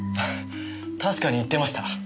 確かに言ってました。